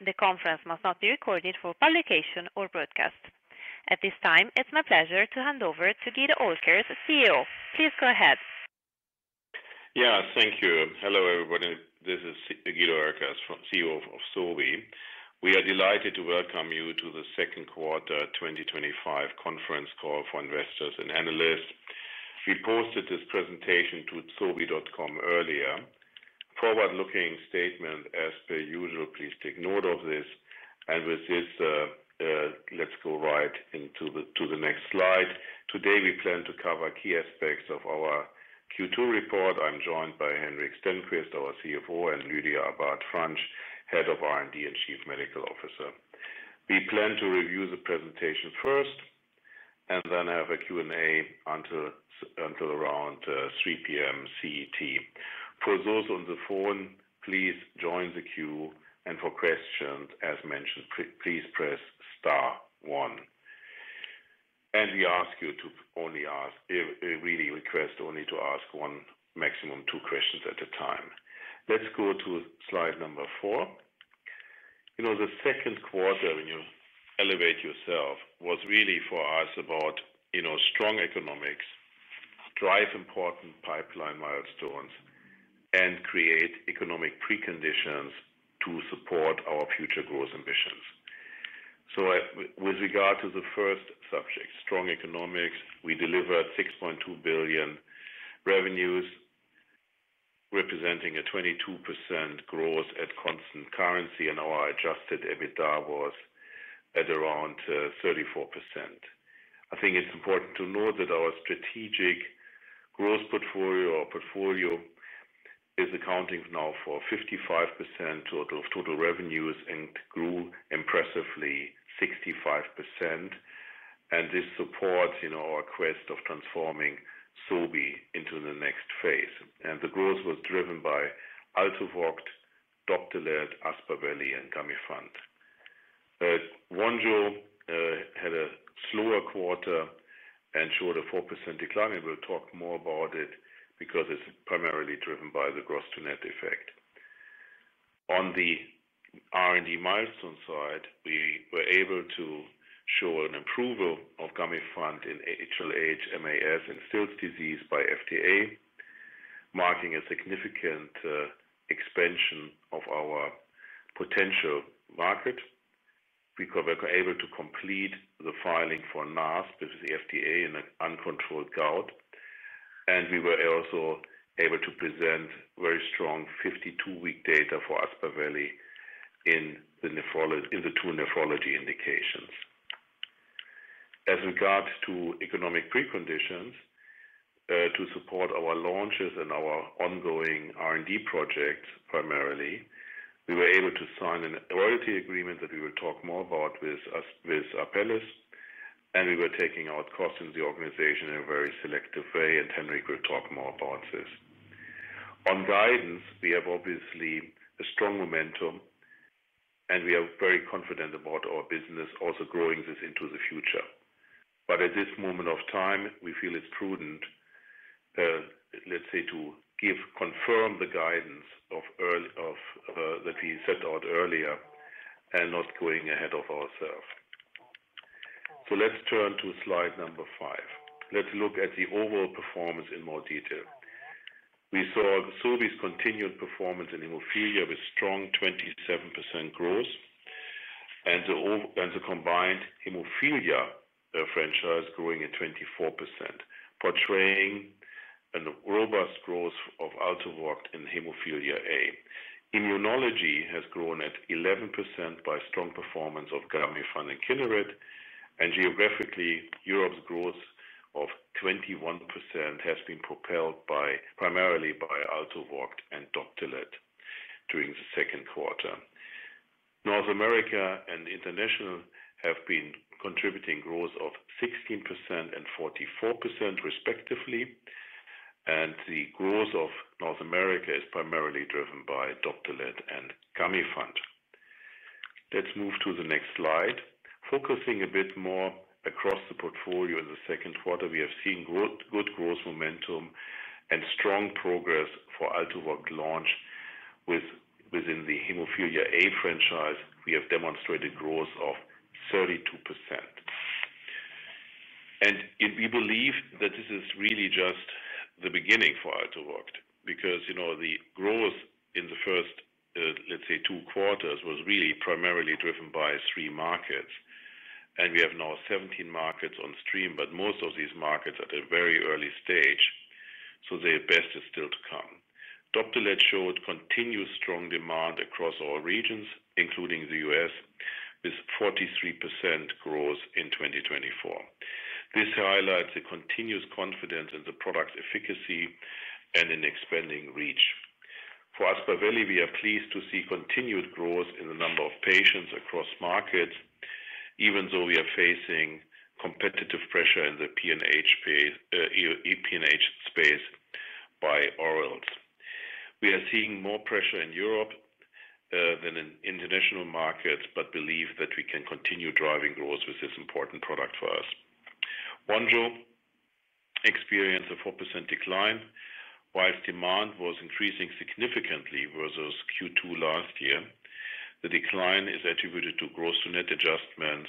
The conference must not be recorded for publication or broadcast. At this time, it's my pleasure to hand over to Guido Oelkers, CEO. Please go ahead. Yes, thank you. Hello, everybody. This is Guido Oelkers, CEO of Sobi. We are delighted to welcome you to the second quarter 2025 conference call for investors and analysts. We posted this presentation to sobi.com earlier. Forward-looking statement, as per usual, please take note of this. With this, let's go right into the next slide. Today, we plan to cover key aspects of our Q2 report. I'm joined by Henrik Stenqvist, our CFO, and Lydia Abad-Franch, Head of R&D and Chief Medical Officer. We plan to review the presentation first. Then have a Q&A until around 3:00 P.M. CET. For those on the phone, please join the queue. For questions, as mentioned, please press star one. We ask you to only ask, really, request only to ask one, maximum two questions at a time. Let's go to slide number four. The second quarter, when you elevate yourself, was really for us about. Strong economics. Drive important pipeline milestones, and create economic preconditions to support our future growth ambitions. With regard to the first subject, strong economics, we delivered 6.2 billion revenues, representing a 22% growth at constant currency, and our adjusted EBITDA was at around 34%. I think it's important to note that our strategic growth portfolio is accounting now for 55% of total revenues and grew impressively 65%. This supports our quest of transforming Sobi into the next phase. The growth was driven by Altuviiio, Doptelet, Aspaveli, and Gamifant. Vonjo had a slower quarter and showed a 4% decline. We'll talk more about it because it's primarily driven by the gross-to-net effect. On the. R&D milestone side, we were able to show an approval of Gamifant in HLH, MAS in Still's disease by FDA, marking a significant expansion of our potential market. Because we were able to complete the filing for NAS, this is the FDA, in an uncontrolled gout. We were also able to present very strong 52-week data for Aspaveli in the two nephrology indications. As regards to economic preconditions to support our launches and our ongoing R&D projects primarily, we were able to sign a royalty agreement that we will talk more about with Apellis. We were taking out costs in the organization in a very selective way, and Henrik will talk more about this. On guidance, we have obviously a strong momentum. We are very confident about our business also growing this into the future. At this moment of time, we feel it's prudent. Let's say, to confirm the guidance that we set out earlier and not going ahead of ourselves. Let's turn to slide number five. Let's look at the overall performance in more detail. We saw Sobi's continued performance in hemophilia with strong 27% growth, and the combined hemophilia franchise growing at 24%, portraying a robust growth of Altuviiio in hemophilia A. Immunology has grown at 11% by strong performance of Gamifant and Kineret. Geographically, Europe's growth of 21% has been propelled primarily by Altuviiio and Doptelet during the second quarter. North America and international have been contributing growth of 16% and 44%, respectively. The growth of North America is primarily driven by Doptelet and Gamifant. Let's move to the next slide. Focusing a bit more across the portfolio in the second quarter, we have seen good growth momentum and strong progress for Altuviiio launch. Within the hemophilia A franchise, we have demonstrated growth of 32%. We believe that this is really just the beginning for Altuviiio because the growth in the first, let's say, two quarters was really primarily driven by three markets. We have now 17 markets on stream, but most of these markets are at a very early stage, so their best is still to come. Doptelet showed continued strong demand across all regions, including the U.S., with 43% growth in 2024. This highlights a continuous confidence in the product's efficacy and in expanding reach. For Aspaveli, we are pleased to see continued growth in the number of patients across markets, even though we are facing competitive pressure in the PNH space by orals. We are seeing more pressure in Europe than in international markets but believe that we can continue driving growth with this important product for us. Vonjo. Experienced a 4% decline. While demand was increasing significantly versus Q2 last year, the decline is attributed to gross-to-net adjustments,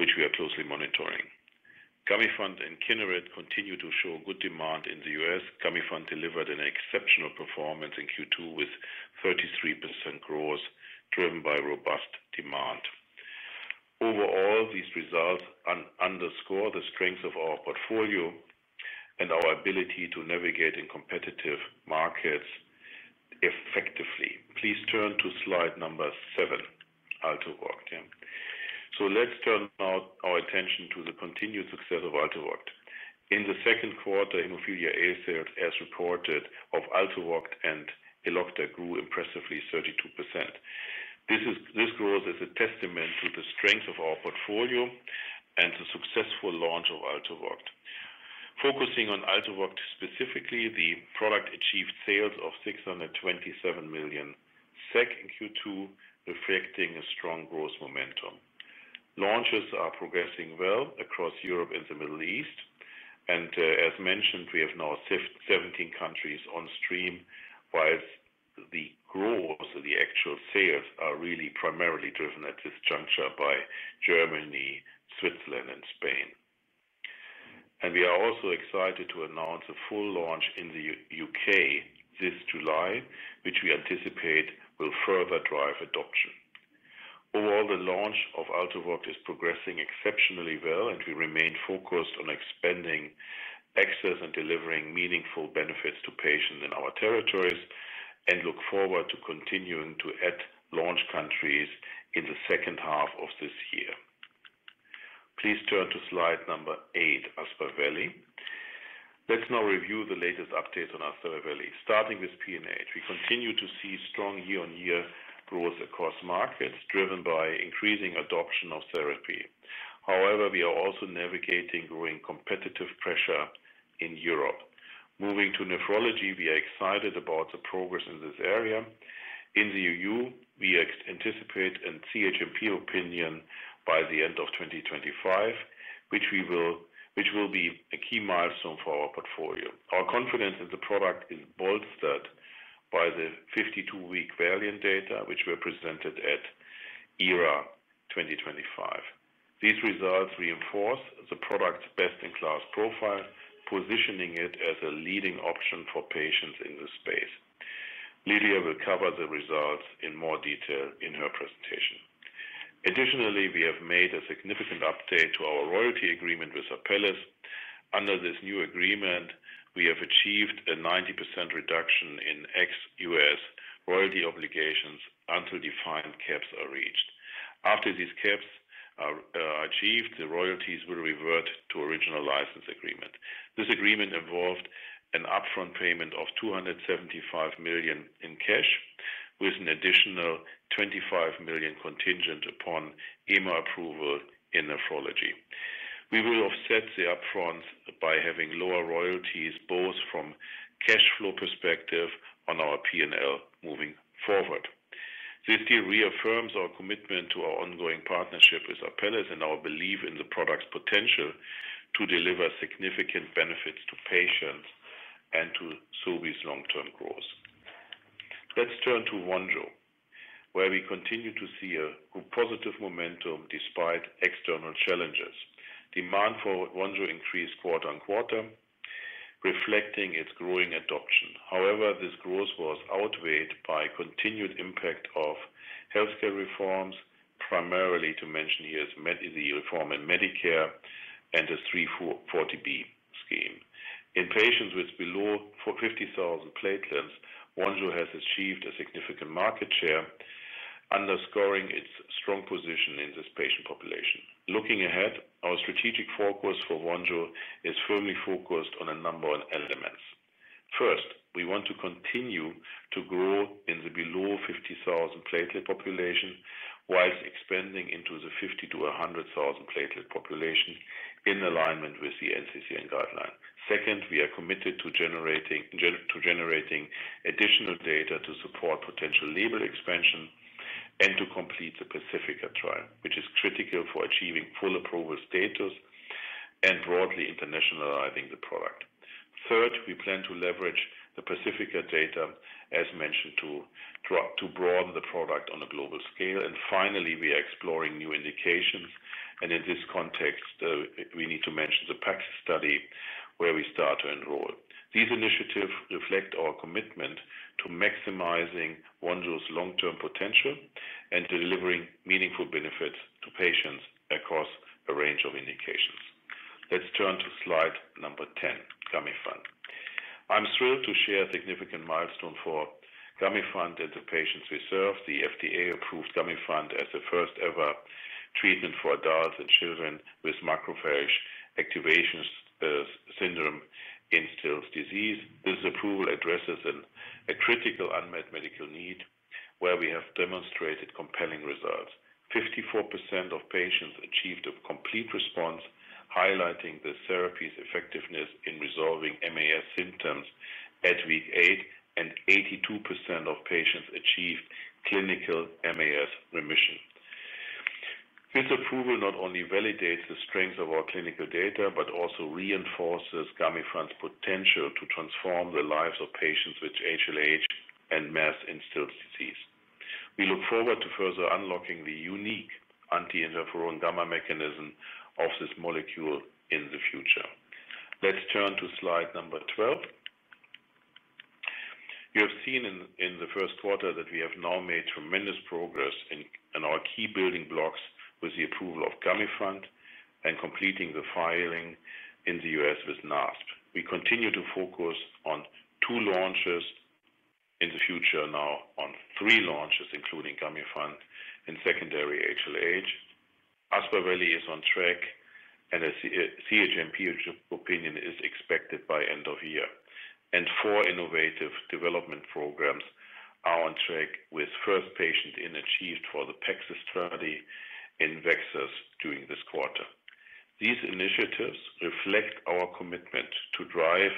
which we are closely monitoring. Gamifant and Kineret continue to show good demand in the U.S. Gamifant delivered an exceptional performance in Q2 with 33% growth driven by robust demand. Overall, these results underscore the strength of our portfolio and our ability to navigate in competitive markets effectively. Please turn to slide number seven, Altuviiio. Let us turn now our attention to the continued success of Altuviiio. In the second quarter, hemophilia A, as reported, of Altuviiio and Elocta grew impressively 32%. This growth is a testament to the strength of our portfolio and the successful launch of Altuviiio. Focusing on Altuviiio specifically, the product achieved sales of 627 million SEK in Q2, reflecting a strong growth momentum. Launches are progressing well across Europe and the Middle East. As mentioned, we have now 17 countries on stream, whilst the actual sales are really primarily driven at this juncture by Germany, Switzerland, and Spain. We are also excited to announce a full launch in the U.K. this July, which we anticipate will further drive adoption. Overall, the launch of Altuviiio is progressing exceptionally well, and we remain focused on expanding access and delivering meaningful benefits to patients in our territories and look forward to continuing to add launch countries in the second half of this year. Please turn to slide number eight, Aspaveli. Let's now review the latest updates on Aspaveli, starting with PNH. We continue to see strong year-on-year growth across markets driven by increasing adoption of therapy. However, we are also navigating growing competitive pressure in Europe. Moving to nephrology, we are excited about the progress in this area. In the EU, we anticipate a CHMP opinion by the end of 2025, which will be a key milestone for our portfolio. Our confidence in the product is bolstered by the 52-week variant data, which were presented at ERA 2025. These results reinforce the product's best-in-class profile, positioning it as a leading option for patients in this space. Lydia will cover the results in more detail in her presentation. Additionally, we have made a significant update to our royalty agreement with Apellis. Under this new agreement, we have achieved a 90% reduction in ex-US royalty obligations until defined caps are reached. After these caps are achieved, the royalties will revert to original license agreement. This agreement involved an upfront payment of $275 million in cash with an additional $25 million contingent upon EMA approval in nephrology. We will offset the upfronts by having lower royalties both from a cash flow perspective on our P&L moving forward. This deal reaffirms our commitment to our ongoing partnership with Apellis and our belief in the product's potential to deliver significant benefits to patients and to Sobi's long-term growth. Let's turn to Vonjo, where we continue to see a positive momentum despite external challenges. Demand for Vonjo increased quarter on quarter, reflecting its growing adoption. However, this growth was outweighed by the continued impact of healthcare reforms, primarily to mention here the reform in Medicare and the 340B scheme. In patients with below 50,000 platelets, Vonjo has achieved a significant market share, underscoring its strong position in this patient population. Looking ahead, our strategic focus for Vonjo is firmly focused on a number of elements. First, we want to continue to grow in the below 50,000 platelet population whilst expanding into the 50-100,000 platelet population in alignment with the NCCN guideline. Second, we are committed to generating additional data to support potential label expansion and to complete the Pacifica trial, which is critical for achieving full approval status and broadly internationalizing the product. Third, we plan to leverage the Pacifica data, as mentioned, to broaden the product on a global scale. Finally, we are exploring new indications. In this context, we need to mention the PACS study where we start to enroll. These initiatives reflect our commitment to maximizing Vonjo's long-term potential and delivering meaningful benefits to patients across a range of indications. Let's turn to slide number 10, Gamifant. I'm thrilled to share a significant milestone for Gamifant and the patients we serve. The FDA approved Gamifant as the first-ever treatment for adults and children with macrophage activation syndrome in Still's disease. This approval addresses a critical unmet medical need where we have demonstrated compelling results. 54% of patients achieved a complete response, highlighting the therapy's effectiveness in resolving MAS symptoms at week eight, and 82% of patients achieved clinical MAS remission. This approval not only validates the strength of our clinical data but also reinforces Gamifant's potential to transform the lives of patients with HLH and MAS in Still's disease. We look forward to further unlocking the unique anti-interferon gamma mechanism of this molecule in the future. Let's turn to slide number 12. You have seen in the first quarter that we have now made tremendous progress in our key building blocks with the approval of Gamifant and completing the filing in the U.S. with NASP. We continue to focus on two launches. In the future, now on three launches, including Gamifant and secondary HLH. Aspaveli is on track, and a CHMP opinion is expected by end of year. Four innovative development programs are on track with first patient in achieved for the PACS study in VEXAS during this quarter. These initiatives reflect our commitment to drive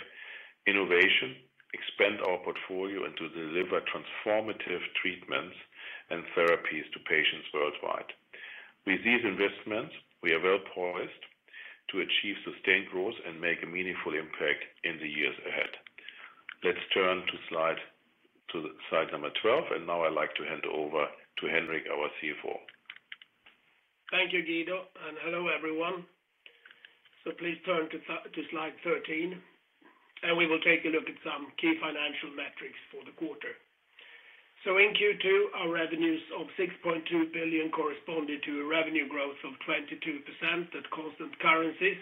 innovation, expand our portfolio, and to deliver transformative treatments and therapies to patients worldwide. With these investments, we are well poised to achieve sustained growth and make a meaningful impact in the years ahead. Let's turn to slide number 12. Now I'd like to hand over to Henrik, our CFO. Thank you, Guido. Hello, everyone. Please turn to slide 13, and we will take a look at some key financial metrics for the quarter. In Q2, our revenues of 6.2 billion corresponded to a revenue growth of 22% at constant currencies,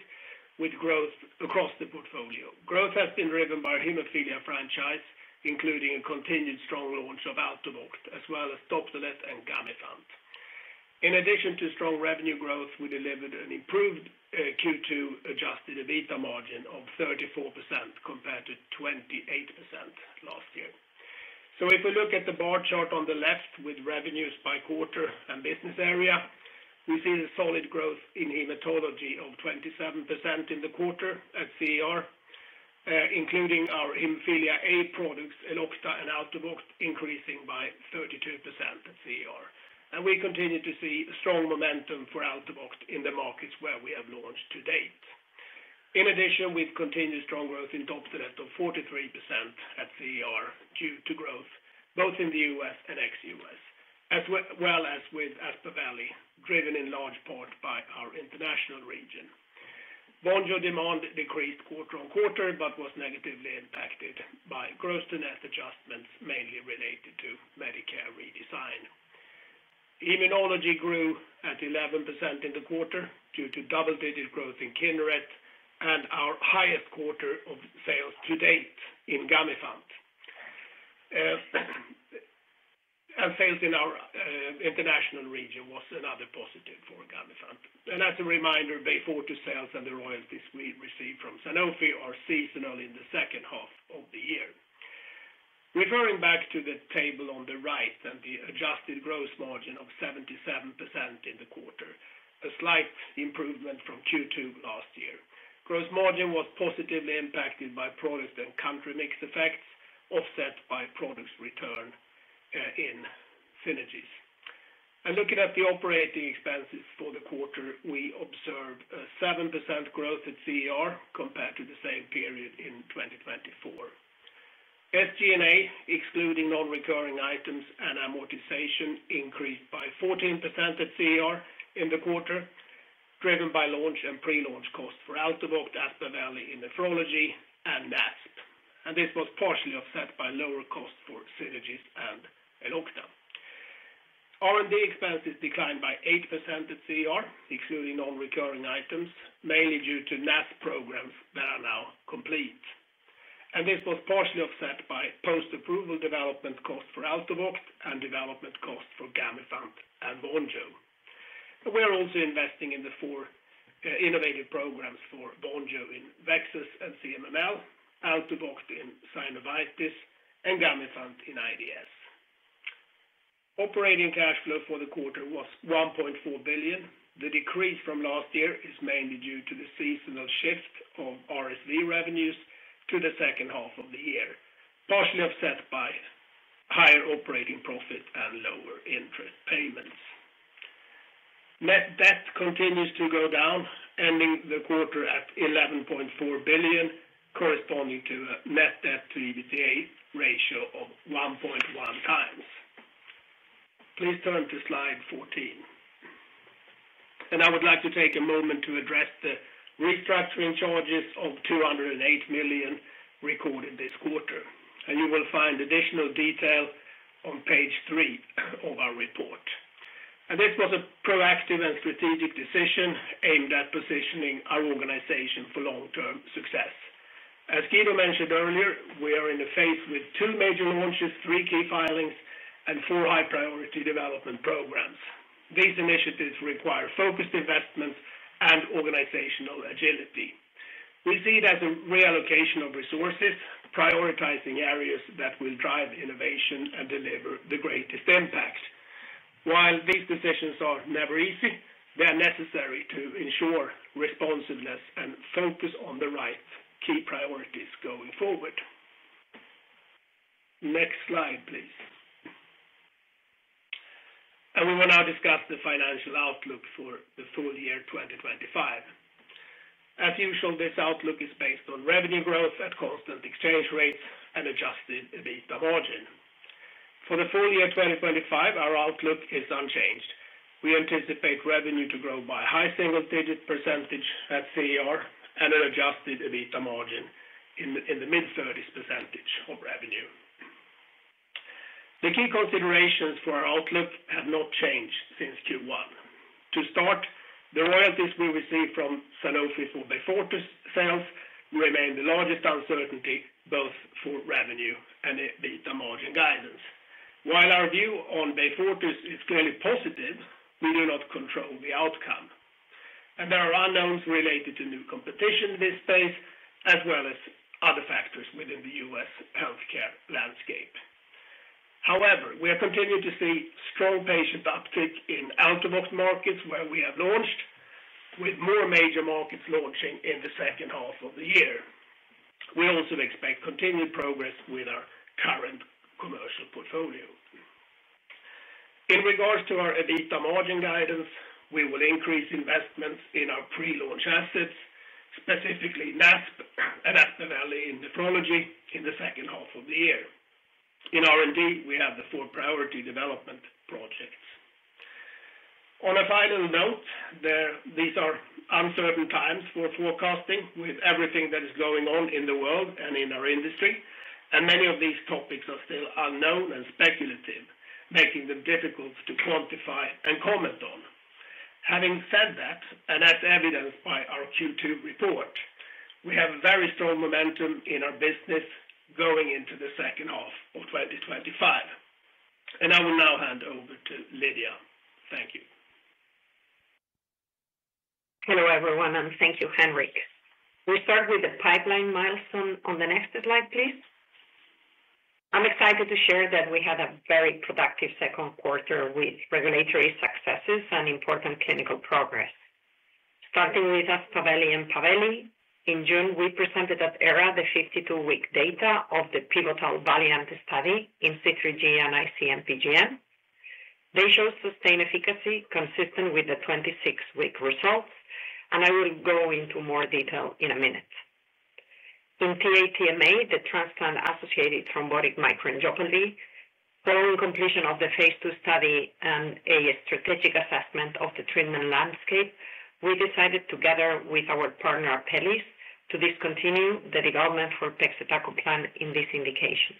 with growth across the portfolio. Growth has been driven by a hemophilia franchise, including a continued strong launch of Altuviiio, as well as Doptelet and Gamifant. In addition to strong revenue growth, we delivered an improved Q2 adjusted EBITDA margin of 34% compared to 28% last year. If we look at the bar chart on the left with revenues by quarter and business area, we see a solid growth in hematology of 27% in the quarter at CER. Including our hemophilia A products, Elocta and Altuviiio, increasing by 32% at CER. We continue to see strong momentum for Altuviiio in the markets where we have launched to date. In addition, we've continued strong growth in Doptelet of 43% at CER due to growth both in the U.S. and ex-U.S., as well as with Aspaveli, driven in large part by our international region. Vonjo demand decreased quarter on quarter but was negatively impacted by gross-to-net adjustments, mainly related to Medicare redesign. Immunology grew at 11% in the quarter due to double-digit growth in Kineret and our highest quarter of sales to date in Gamifant. Sales in our international region was another positive for Gamifant. As a reminder, Beyfortus sales and the royalties we received from Sanofi are seasonal in the second half of the year. Referring back to the table on the right and the adjusted gross margin of 77% in the quarter, a slight improvement from Q2 last year. Gross margin was positively impacted by product and country mix effects, offset by product's return. In synergies. Looking at the operating expenses for the quarter, we observe a 7% growth at CER compared to the same period in 2024. SG&A, excluding non-recurring items and amortization, increased by 14% at CER in the quarter, driven by launch and pre-launch costs for Altuviiio, Aspaveli, and Nephrology, and NASP. This was partially offset by lower costs for Synergies and Elocta. R&D expenses declined by 8% at CER, excluding non-recurring items, mainly due to NASP programs that are now complete. This was partially offset by post-approval development costs for Altuviiio and development costs for Gamifant and Vonjo. We are also investing in the four innovative programs for Vonjo in VEXAS syndrome and CMML, Altuviiio in Synovitis, and Gamifant in IDS. Operating cash flow for the quarter was 1.4 billion. The decrease from last year is mainly due to the seasonal shift of RSV revenues to the second half of the year, partially offset by higher operating profit and lower interest payments. Net debt continues to go down, ending the quarter at 11.4 billion, corresponding to a net debt-to-EBITDA ratio of 1.1 times. Please turn to slide 14. I would like to take a moment to address the restructuring charges of 208 million recorded this quarter. You will find additional detail on page three of our report. This was a proactive and strategic decision aimed at positioning our organization for long-term success. As Guido mentioned earlier, we are in the phase with two major launches, three key filings, and four high-priority development programs. These initiatives require focused investments and organizational agility. We see it as a reallocation of resources, prioritizing areas that will drive innovation and deliver the greatest impact. While these decisions are never easy, they are necessary to ensure responsiveness and focus on the right key priorities going forward. Next slide, please. We will now discuss the financial outlook for the full year 2025. As usual, this outlook is based on revenue growth at constant exchange rates and adjusted EBITDA margin. For the full year 2025, our outlook is unchanged. We anticipate revenue to grow by a high single-digit % at CER and an adjusted EBITDA margin in the mid-30s % of revenue. The key considerations for our outlook have not changed since Q1. To start, the royalties we receive from Sanofi for Bay 42 sales remain the largest uncertainty both for revenue and EBITDA margin guidance. While our view on Bay 42 is clearly positive, we do not control the outcome. There are unknowns related to new competition in this space, as well as other factors within the U.S. healthcare landscape. However, we are continuing to see strong patient uptick in Altuviiio markets where we have launched, with more major markets launching in the second half of the year. We also expect continued progress with our current commercial portfolio. In regards to our EBITDA margin guidance, we will increase investments in our pre-launch assets, specifically NASP and Aspaveli in Nephrology, in the second half of the year. In R&D, we have the four-priority development projects. On a final note, these are uncertain times for forecasting with everything that is going on in the world and in our industry. Many of these topics are still unknown and speculative, making them difficult to quantify and comment on. Having said that, and as evidenced by our Q2 report, we have very strong momentum in our business going into the second half of 2025. I will now hand over to Lydia. Thank you. Hello, everyone, and thank you, Henrik. We start with the pipeline milestone on the next slide, please. I'm excited to share that we had a very productive second quarter with regulatory successes and important clinical progress. Starting with Aspaveli, in June, we presented at ERA the 52-week data of the pivotal VALIANT study in C3G and ICMPGN. They showed sustained efficacy consistent with the 26-week results, and I will go into more detail in a minute. In TATMA, the transplant-associated thrombotic microangiopathy, following completion of the phase two study and a strategic assessment of the treatment landscape, we decided together with our partner, Apellis, to discontinue the development for Pegcetacoplan in this indication.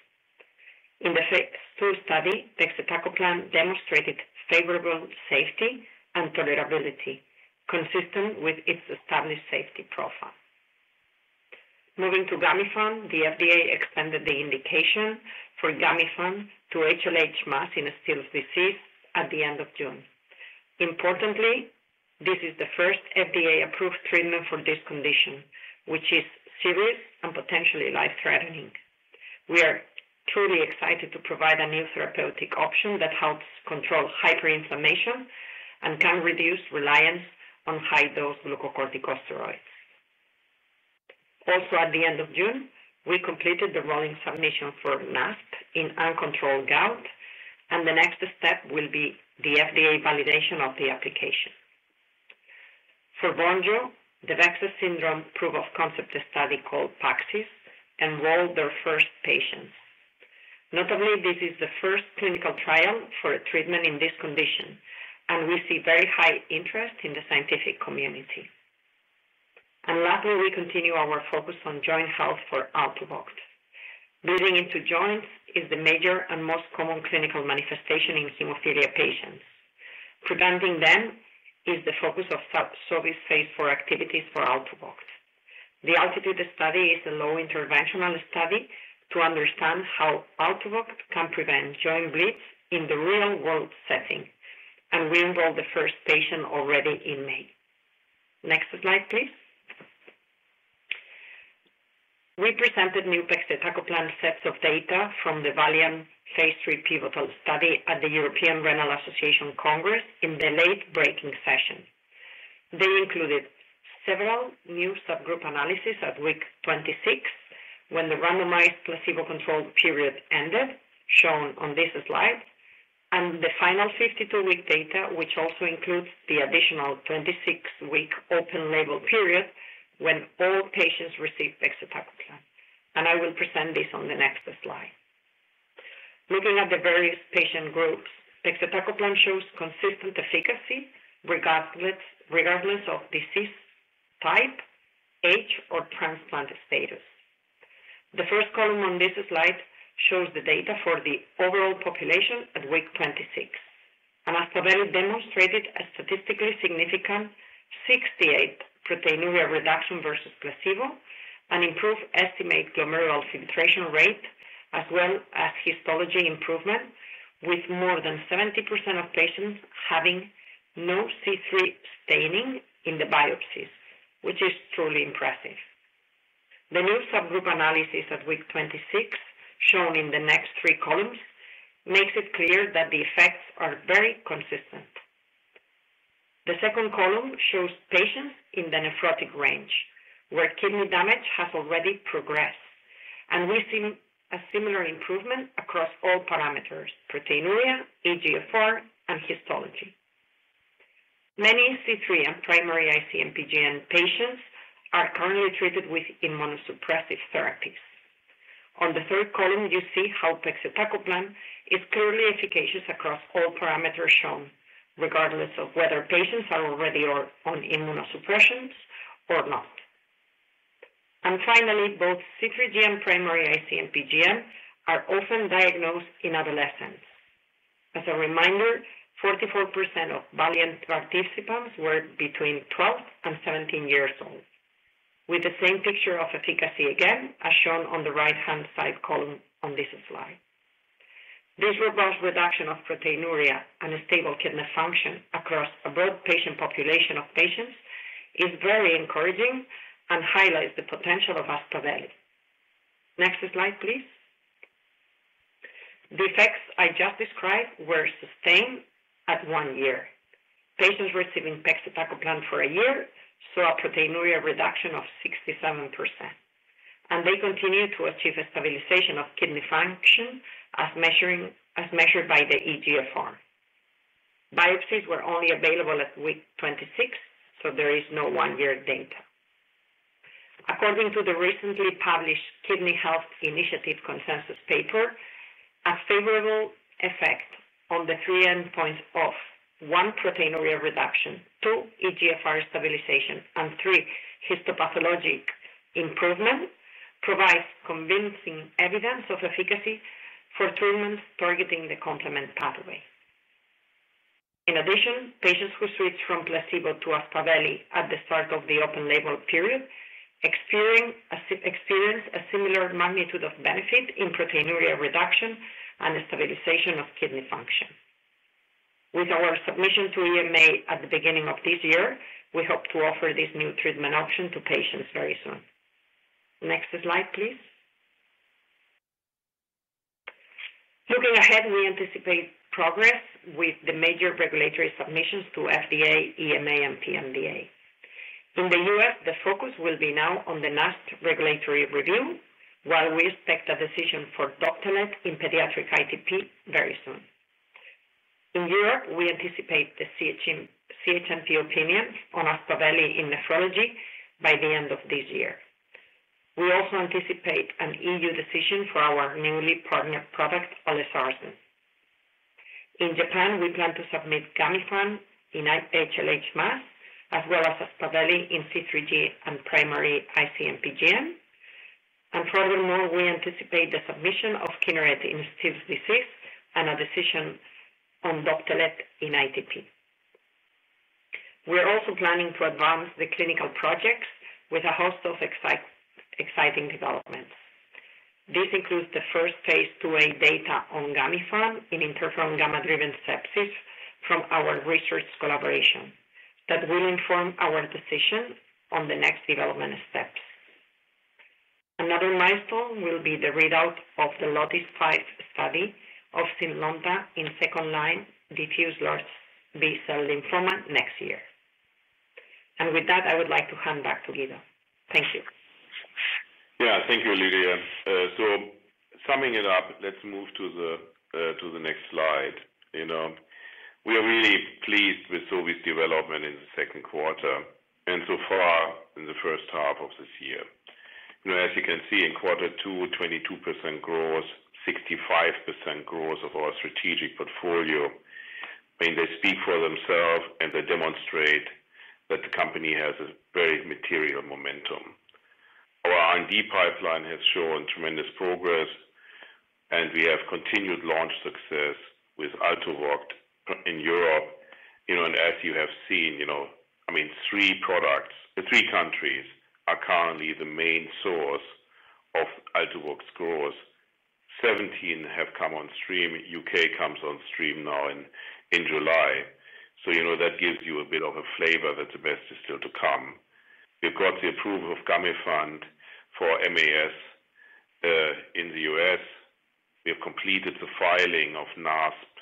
In the phase two study, Pegcetacoplan demonstrated favorable safety and tolerability, consistent with its established safety profile. Moving to Gamifant, the FDA extended the indication for Gamifant to HLH MAS in Still's disease at the end of June. Importantly, this is the first FDA-approved treatment for this condition, which is serious and potentially life-threatening. We are truly excited to provide a new therapeutic option that helps control hyperinflammation and can reduce reliance on high-dose Glucocorticoids. Also, at the end of June, we completed the rolling submission for NASP in uncontrolled gout, and the next step will be the FDA validation of the application. For Vonjo, the VEXAS syndrome proof-of-concept study called PACS enrolled their first patients. Notably, this is the first clinical trial for a treatment in this condition, and we see very high interest in the scientific community. Lastly, we continue our focus on joint health for Altuviiio. Bleeding into joints is the major and most common clinical manifestation in hemophilia patients. Preventing them is the focus of Sobi's phase four activities for Altuviiio. The ALTITUDE study is a low-interventional study to understand how Altuviiio can prevent joint bleeds in the real-world setting, and we enrolled the first patient already in May. Next slide, please. We presented new Aspaveli sets of data from the VALIANT phase three pivotal study at the European Renal Association Congress in the late breaking session. They included several new subgroup analyses at week 26 when the randomized placebo-controlled period ended, shown on this slide, and the final 52-week data, which also includes the additional 26-week open-label period when all patients received Aspaveli. I will present this on the next slide. Looking at the various patient groups, Aspaveli shows consistent efficacy regardless of disease type, age, or transplant status. The first column on this slide shows the data for the overall population at week 26. Aspaveli demonstrated a statistically significant 68% Proteinuria Reduction Versus Placebo and improved estimated glomerular filtration rate, as well as histology improvement, with more than 70% of patients having no C3 staining in the biopsies, which is truly impressive. The new subgroup analysis at week 26, shown in the next three columns, makes it clear that the effects are very consistent. The second column shows patients in the nephrotic range, where kidney damage has already progressed, and we see a similar improvement across all parameters: proteinuria, eGFR, and Histology. Many C3G and primary ICMPGN patients are currently treated with immunosuppressive therapies. On the third column, you see how Aspaveli is clearly efficacious across all parameters shown, regardless of whether patients are already on immunosuppressions or not. Finally, both C3G and primary ICMPGN are often diagnosed in adolescence. As a reminder, 44% of Valiant participants were between 12 and 17 years old, with the same picture of efficacy again, as shown on the right-hand side column on this slide. This robust reduction of proteinuria and stable kidney function across a broad patient population of patients is very encouraging and highlights the potential of Aspaveli. Next slide, please. The effects I just described were sustained at one year. Patients receiving Aspaveli for a year saw a proteinuria reduction of 67%. They continue to achieve a stabilization of kidney function as measured by the eGFR. Biopsies were only available at week 26, so there is no one-year data. According to the recently published Kidney Health Initiative consensus paper, a favorable effect on the three endpoints of one proteinuria reduction, two eGFR stabilization, and three histopathologic improvement provides convincing evidence of efficacy for treatments targeting the complement pathway. In addition, patients who switched from placebo to Aspaveli at the start of the open-label period experienced a similar magnitude of benefit in proteinuria reduction and stabilization of kidney function. With our submission to EMA at the beginning of this year, we hope to offer this new treatment option to patients very soon. Next slide, please. Looking ahead, we anticipate progress with the major regulatory submissions to FDA, EMA, and PMDA. In the U.S., the focus will be now on the NASP regulatory review, while we expect a decision for Doptelet in pediatric ITP very soon. In Europe, we anticipate the CHMP opinion on Aspaveli in nephrology by the end of this year. We also anticipate an EU decision for our newly partnered product, Olezarsen. In Japan, we plan to submit Gamifant in HLH MAS, as well as Aspaveli in C3G and primary ICMPGN. Furthermore, we anticipate the submission of Kineret in Still's disease and a decision on Doptelet in ITP. We are also planning to advance the clinical projects with a host of exciting developments. This includes the first phase two-way data on Gamifant in interferon gamma-driven sepsis from our research collaboration that will inform our decision on the next development steps. Another milestone will be the readout of the LOTIS-5 study of Zylonta in second-line diffuse large B-cell lymphoma next year. And with that, I would like to hand back to Guido. Thank you. Yeah, thank you, Lydia. Summing it up, let's move to the next slide. We are really pleased with Sobi's development in the second quarter and so far in the first half of this year. As you can see, in quarter two, 22% growth, 65% growth of our strategic portfolio. I mean, they speak for themselves, and they demonstrate that the company has a very material momentum. Our R&D pipeline has shown tremendous progress. We have continued launch success with Altuviiio in Europe. As you have seen, I mean, three products, three countries are currently the main source of Altuviiio's growth. Seventeen have come on stream. U.K. comes on stream now in July. That gives you a bit of a flavor that the best is still to come. We've got the approval of Gamifant for MAS. In the U.S., we have completed the filing of NASP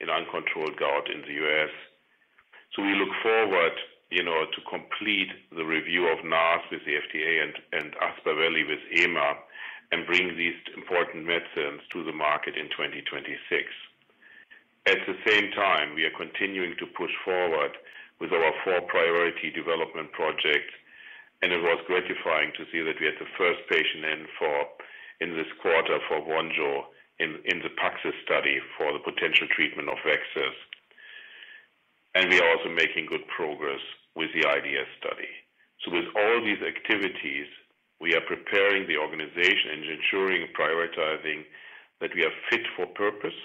in uncontrolled gout in the U.S. We look forward to complete the review of NASP with the FDA and Aspaveli with EMA and bring these important medicines to the market in 2026. At the same time, we are continuing to push forward with our four-priority development project. It was gratifying to see that we had the first patient in this quarter for Vonjo in the PACS study for the potential treatment of VEXAS. We are also making good progress with the IDS study. With all these activities, we are preparing the organization and ensuring and prioritizing that we are fit for purpose.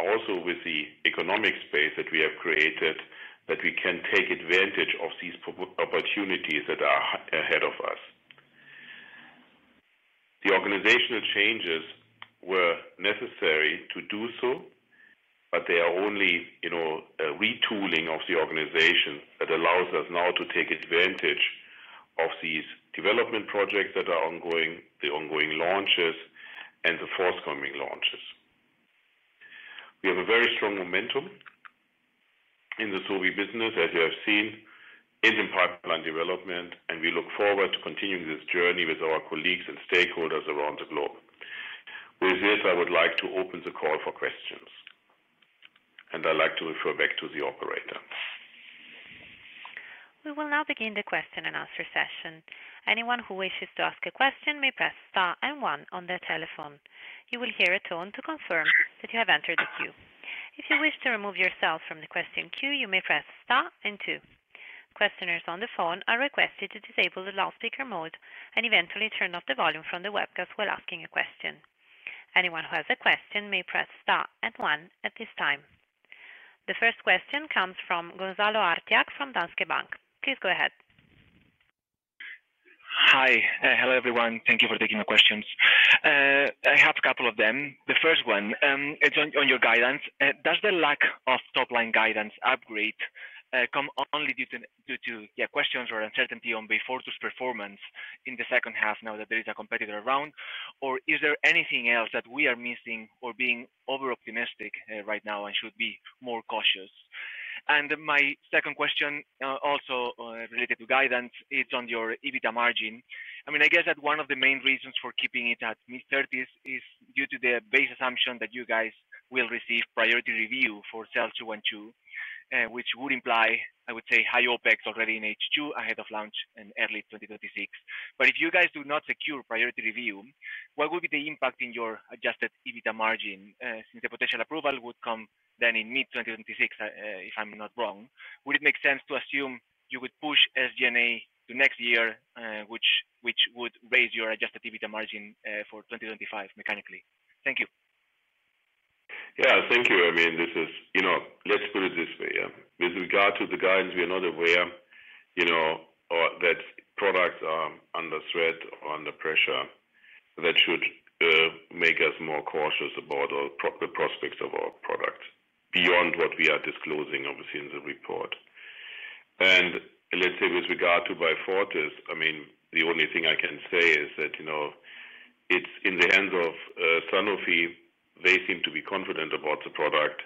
Also with the economic space that we have created, we can take advantage of these opportunities that are ahead of us. The organizational changes were necessary to do so, but they are only a retooling of the organization that allows us now to take advantage of these development projects that are ongoing, the ongoing launches, and the forthcoming launches. We have a very strong momentum in the Sobi business, as you have seen, in the pipeline development, and we look forward to continuing this journey with our colleagues and stakeholders around the globe. With this, I would like to open the call for questions. I'd like to refer back to the operator. We will now begin the question and answer session. Anyone who wishes to ask a question may press star and one on their telephone. You will hear a tone to confirm that you have entered the queue. If you wish to remove yourself from the question queue, you may press star and two. Questioners on the phone are requested to disable the loudspeaker mode and eventually turn off the volume from the webcast while asking a question. Anyone who has a question may press star and one at this time. The first question comes from Gonzalo Artiach from Danske Bank. Please go ahead. Hi. Hello, everyone. Thank you for taking my questions. I have a couple of them. The first one is on your guidance. Does the lack of top-line guidance upgrade come only due to questions or uncertainty on B42's performance in the second half now that there is a competitor around? Or is there anything else that we are missing or being over-optimistic right now and should be more cautious? My second question, also related to guidance, is on your EBITDA margin. I mean, I guess that one of the main reasons for keeping it at mid-30s is due to the base assumption that you guys will receive priority review for Cell 212, which would imply, I would say, high OPEX already in H2 ahead of launch in early 2026. If you guys do not secure priority review, what would be the impact in your adjusted EBITDA margin since the potential approval would come then in mid-2026, if I'm not wrong? Would it make sense to assume you would push SG&A to next year, which would raise your adjusted EBITDA margin for 2025 mechanically? Thank you. Yeah, thank you. I mean, this is, let's put it this way. With regard to the guidance, we are not aware. That products are under threat or under pressure that should make us more cautious about the prospects of our product beyond what we are disclosing, obviously, in the report. With regard to Beyfortus, I mean, the only thing I can say is that it's in the hands of Sanofi. They seem to be confident about the product.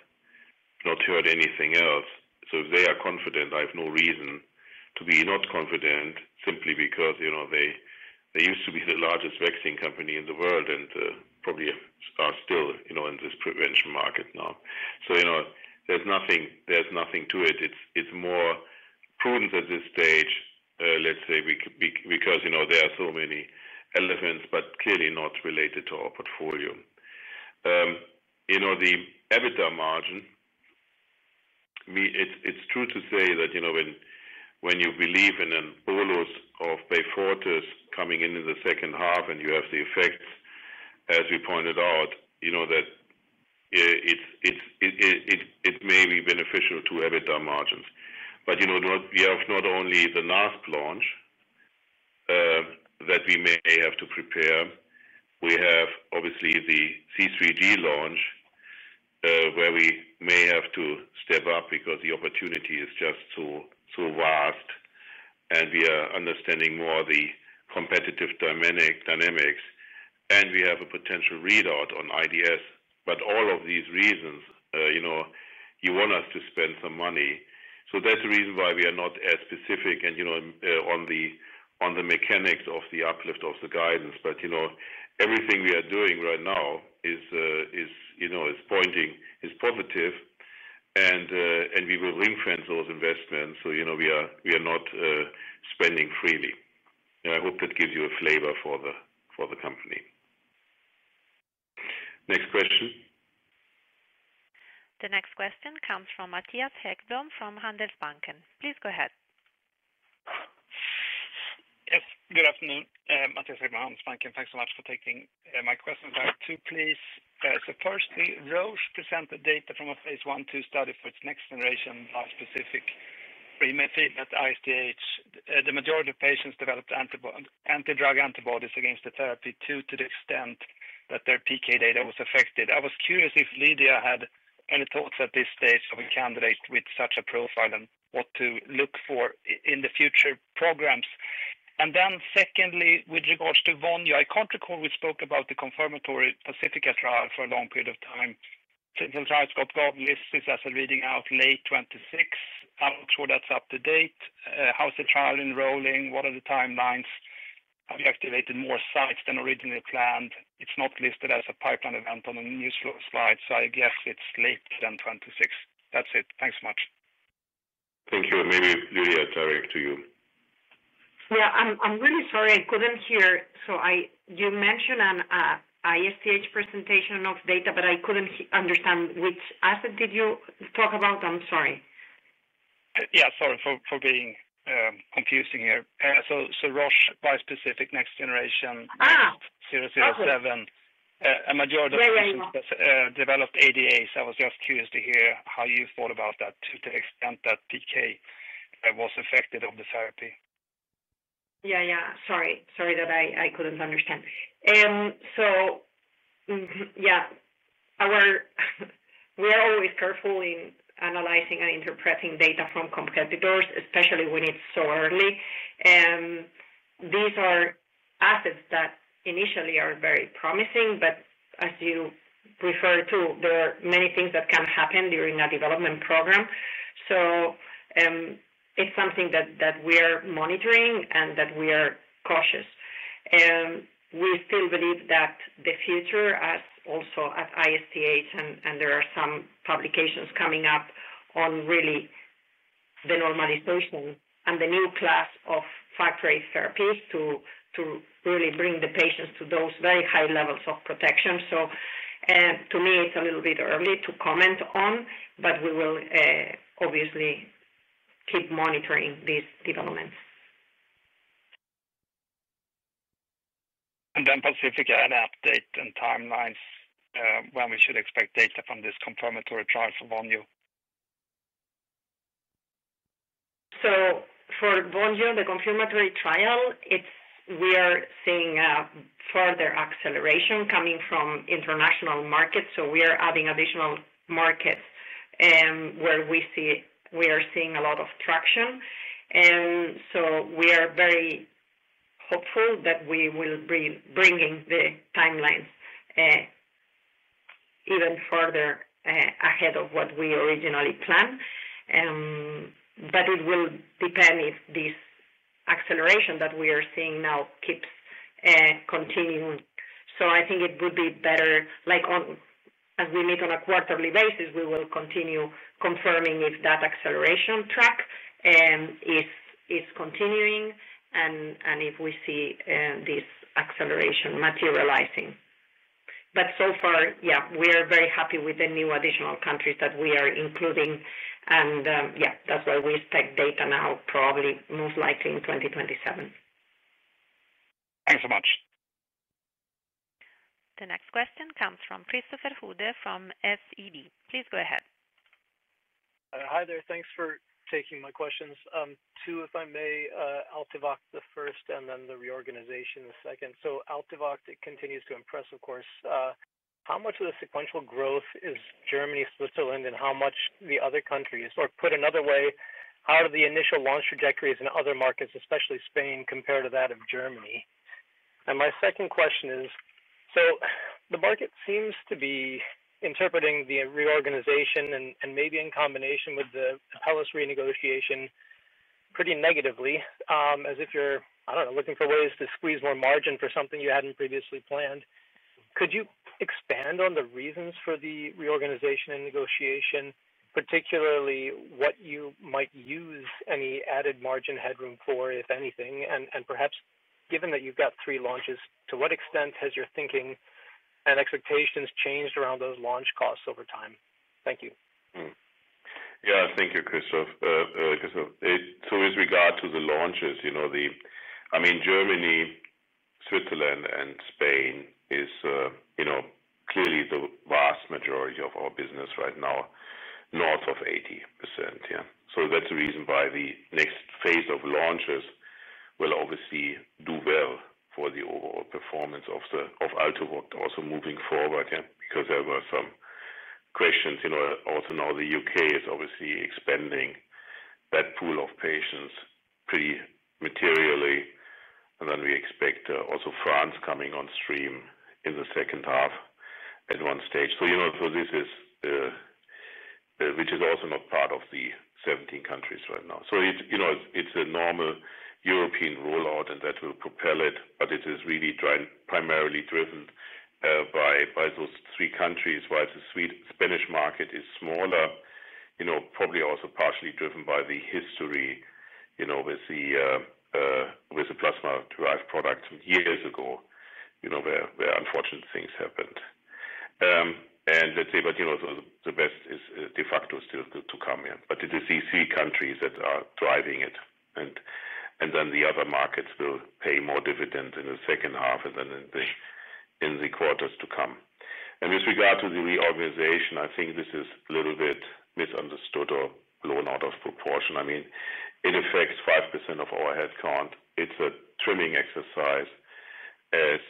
Not heard anything else. If they are confident, I have no reason to be not confident simply because they used to be the largest vaccine company in the world and probably are still in this prevention market now. There is nothing to it. It's more prudent at this stage, let's say, because there are so many elements, but clearly not related to our portfolio. The EBITDA margin, it's true to say that when you believe in an influx of Beyfortus coming in in the second half and you have the effects, as we pointed out, that. It may be beneficial to have EBITDA margins. We have not only the NASP launch that we may have to prepare. We have, obviously, the C3G launch, where we may have to step up because the opportunity is just so vast. We are understanding more of the competitive dynamics. We have a potential readout on IDS. For all of these reasons, you want us to spend some money. That's the reason why we are not as specific on the mechanics of the uplift of the guidance. Everything we are doing right now is pointing as positive, and we will reinforce those investments. We are not spending freely. I hope that gives you a flavor for the company. Next question. The next question comes from Mattias Häggblom from Handelsbanken. Please go ahead. Yes. Good afternoon. Mattias Häggblom from Handelsbanken. Thanks so much for taking my questions, two please. Firstly, Roche presented data from a phase I/II study for its next-generation bispecific. The majority of patients developed antidrug antibodies against the therapy to the extent that their PK data was affected. I was curious if Lydia had any thoughts at this stage of a candidate with such a profile and what to look for in the future programs. Secondly, with regards to Vonjo, I can't recall we spoke about the confirmatory PACIFICA trial for a long period of time. Since the trial's ongoing, this is reading out late 2026. I'm not sure that's up to date. How's the trial enrolling? What are the timelines? Have you activated more sites than originally planned? It's not listed as a pipeline event on the new slide, so I guess it's later than 2026. That's it. Thanks so much. Thank you. Maybe Lydia, direct to you. Yeah. I'm really sorry. I couldn't hear. You mentioned an ISDH presentation of data, but I couldn't understand which asset did you talk about? I'm sorry. Yeah. Sorry for being confusing here. Roche Biospecific Next Generation 007. A majority of patients developed ADAs. I was just curious to hear how you thought about that to the extent that PK was affected of the therapy? Yeah, yeah. Sorry. Sorry that I couldn't understand. We are always careful in analyzing and interpreting data from competitors, especially when it's so early. These are assets that initially are very promising, but as you referred to, there are many things that can happen during a development program. It is something that we are monitoring and that we are cautious. We still believe that the future, as also at ISDH, and there are some publications coming up on really the normalization and the new class of factory therapies to really bring the patients to those very high levels of protection. To me, it is a little bit early to comment on, but we will obviously keep monitoring these developments. Pacifica had an update and timelines when we should expect data from this confirmatory trial for Vonjo? For Vonjo, the confirmatory trial, we are seeing a further acceleration coming from international markets. We are adding additional markets where we are seeing a lot of traction, and we are very. Hopeful that we will be bringing the timelines even further ahead of what we originally planned. It will depend if this acceleration that we are seeing now keeps continuing. I think it would be better, as we meet on a quarterly basis, we will continue confirming if that acceleration track is continuing and if we see this acceleration materializing. So far, yeah, we are very happy with the new additional countries that we are including. Yeah, that's why we expect data now, probably most likely in 2027. Thanks so much. The next question comes from Christopher Uhde from SEB. Please go ahead. Hi there. Thanks for taking my questions. Two, if I may, Altuviiio the first and then the reorganization the second. Altuviiio continues to impress, of course. How much of the sequential growth is Germany switched to Linden? How much the other countries, or put another way, how do the initial launch trajectories in other markets, especially Spain, compare to that of Germany? My second question is, the market seems to be interpreting the reorganization and maybe in combination with the Apellis renegotiation pretty negatively, as if you're, I don't know, looking for ways to squeeze more margin for something you had not previously planned. Could you expand on the reasons for the reorganization and negotiation, particularly what you might use any added margin headroom for, if anything? Perhaps, given that you've got three launches, to what extent has your thinking and expectations changed around those launch costs over time? Thank you. Yeah, thank you, Christopher. With regard to the launches, I mean, Germany, Switzerland, and Spain is clearly the vast majority of our business right now. North of 80%. Yeah. That is the reason why the next phase of launches will obviously do well for the overall performance of Altuviiio also moving forward, yeah, because there were some questions. Also now the U.K. is obviously expanding that pool of patients pretty materially. We expect also France coming on stream in the second half at one stage. This is also not part of the 17 countries right now. It is a normal European rollout, and that will propel it. It is really primarily driven by those three countries where the Spanish market is smaller, probably also partially driven by the history with the plasma-derived product years ago, where unfortunate things happened. Let's say, the best is de facto still to come. It is these three countries that are driving it. The other markets will pay more dividends in the second half and then in the quarters to come. With regard to the reorganization, I think this is a little bit misunderstood or blown out of proportion. I mean, it affects 5% of our headcount. It is a trimming exercise, as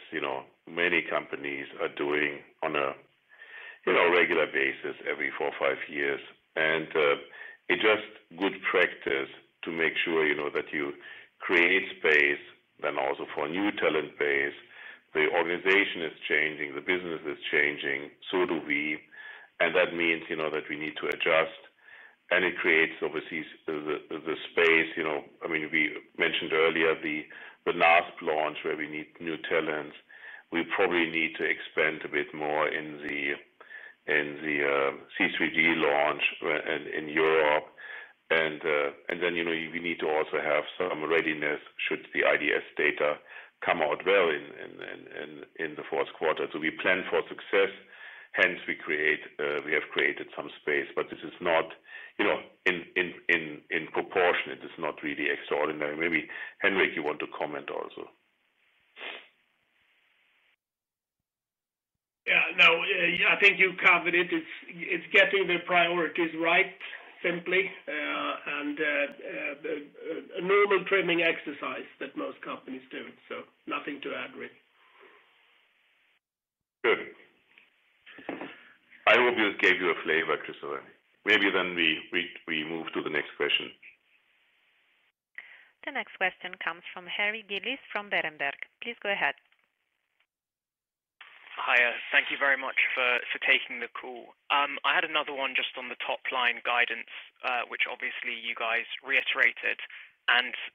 many companies are doing on a regular basis every four or five years. It is just good practice to make sure that you create space, then also for a new talent base. The organization is changing. The business is changing. So do we. That means that we need to adjust. It creates, obviously, the space. I mean, we mentioned earlier the NASP launch where we need new talents. We probably need to expand a bit more in the C3G launch in Europe. Then we need to also have some readiness should the IDS data come out well in the fourth quarter. We plan for success. Hence, we have created some space. This is not in proportion. It is not really extraordinary. Maybe, Henrik, you want to comment also? Yeah. No, I think you covered it. It is getting the priorities right simply. A normal trimming exercise that most companies do. Nothing to add, really. Good. I hope this gave you a flavor, Christopher. Maybe we move to the next question. The next question comes from Harry Gillis from Berenberg. Please go ahead. Hi. Thank you very much for taking the call. I had another one just on the top-line guidance, which obviously you guys reiterated.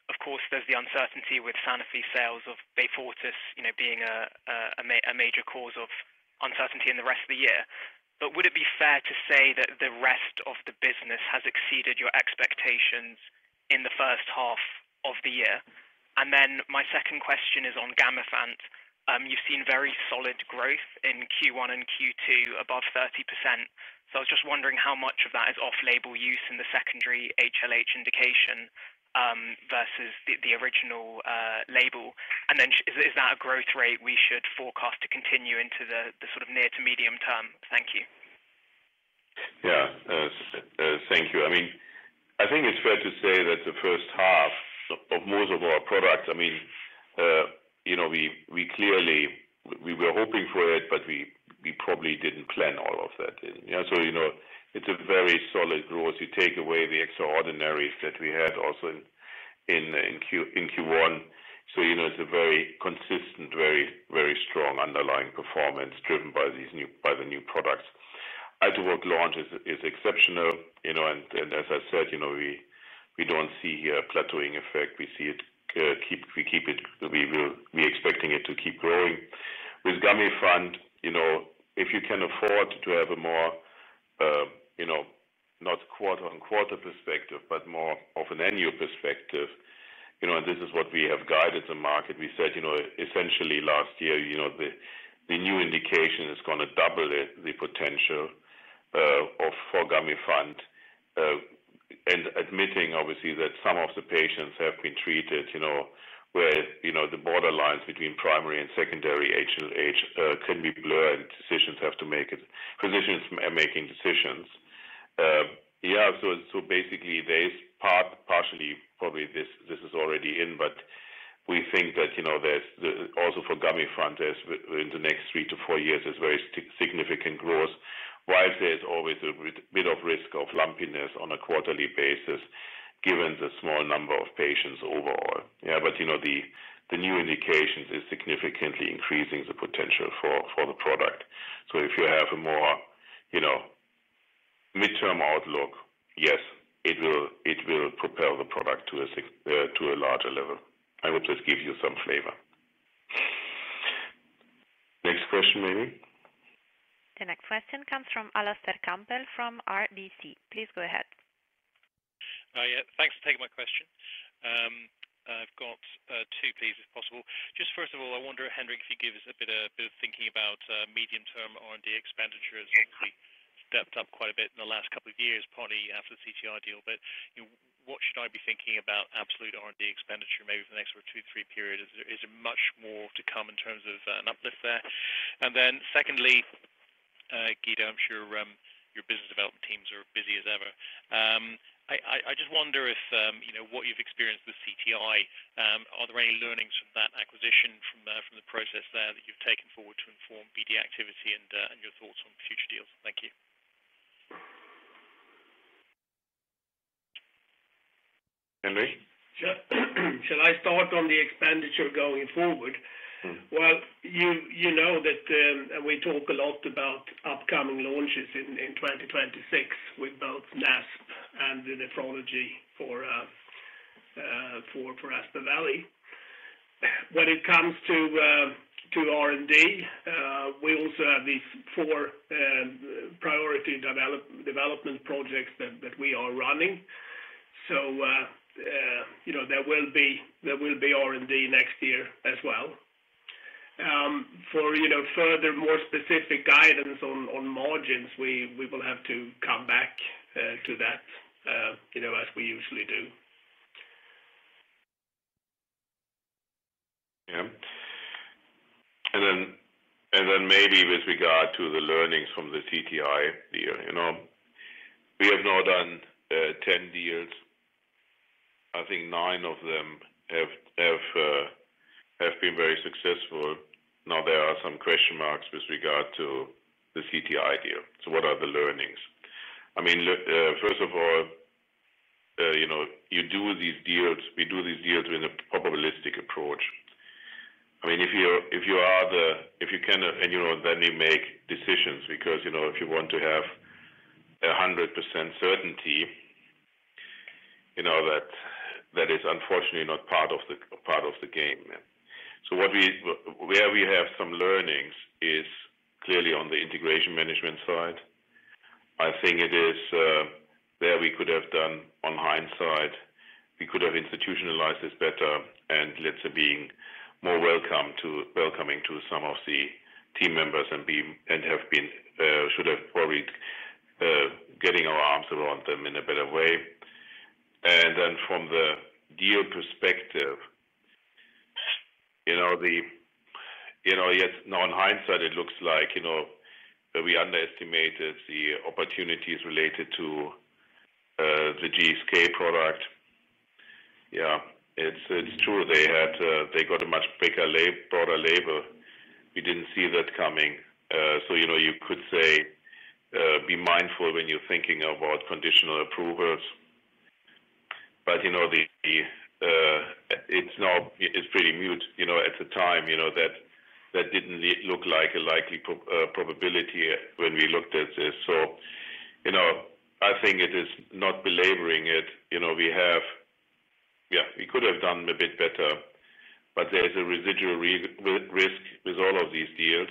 Of course, there is the uncertainty with Sanofi sales of Beyfortus being. A major cause of uncertainty in the rest of the year. Would it be fair to say that the rest of the business has exceeded your expectations in the first half of the year? My second question is on Gamifant. You've seen very solid growth in Q1 and Q2, above 30%. I was just wondering how much of that is off-label use in the secondary HLH indication versus the original label. Is that a growth rate we should forecast to continue into the sort of near to medium term? Thank you. Yeah. Thank you. I mean, I think it's fair to say that the first half of most of our products, I mean, we clearly, we were hoping for it, but we probably didn't plan all of that in. It's a very solid growth. You take away the extraordinaries that we had also. In Q1. It is a very consistent, very strong underlying performance driven by the new products. Altuviiio launch is exceptional. As I said, we do not see here a plateauing effect. We see it. We keep it. We are expecting it to keep growing. With Gamifant, if you can afford to have a more, not quarter-on-quarter perspective, but more of an annual perspective, and this is what we have guided the market, we said essentially last year. The new indication is going to double the potential for Gamifant. Admitting, obviously, that some of the patients have been treated where the borderlines between primary and secondary HLH can be blurred and decisions have to be made. Physicians are making decisions. Yeah. Basically, partially, probably this is already in, but we think that. Also for Gamifant, in the next three to four years, there's very significant growth, while there's always a bit of risk of lumpiness on a quarterly basis given the small number of patients overall. Yeah. But the new indications are significantly increasing the potential for the product. If you have a more mid-term outlook, yes, it will propel the product to a larger level. I hope this gives you some flavor. Next question, maybe? The next question comes from Alistair Campbell from RBC. Please go ahead. Thanks for taking my question. I've got two, please, if possible. Just first of all, I wonder, Henrik, if you give us a bit of thinking about medium-term R&D expenditures. Obviously, stepped up quite a bit in the last couple of years, partly after the CTI deal. What should I be thinking about absolute R&D expenditure maybe for the next sort of two, three periods? Is there much more to come in terms of an uplift there? Secondly, Guido, I'm sure your business development teams are busy as ever. I just wonder if what you've experienced with CTI, are there any learnings from that acquisition, from the process there that you've taken forward to inform BD activity and your thoughts on future deals? Thank you. Henrik? Should I start on the expenditure going forward? You know that we talk a lot about upcoming launches in 2026 with both NASP and the nephrology for Aspaveli. When it comes to R&D, we also have these four priority development projects that we are running. There will be R&D next year as well. For further, more specific guidance on margins, we will have to come back to that. As we usually do. Yeah. And then maybe with regard to the learnings from the CTI year. We have now done 10 deals. I think nine of them have been very successful. Now there are some question marks with regard to the CTI deal. So what are the learnings? I mean, first of all, you do these deals. We do these deals with a probabilistic approach. I mean, if you are the, if you can, and then you make decisions because if you want to have 100% certainty, that is unfortunately not part of the game. Where we have some learnings is clearly on the integration management side. I think it is there we could have done, on hindsight. We could have institutionalized this better and let's be more welcoming to some of the team members and have been. Should have probably. Getting our arms around them in a better way. Then from the deal perspective. Yet on hindsight, it looks like we underestimated the opportunities related to the GSK product. Yeah. It's true. They got a much broader label. We did not see that coming. You could say be mindful when you're thinking about conditional approvals. It is pretty mute at the time. That did not look like a likely probability when we looked at this. I think it is not belaboring it. We have. Yeah, we could have done a bit better, but there is a residual risk with all of these deals.